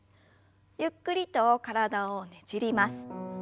ゆっくりと体をねじります。